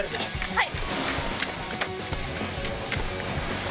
はい。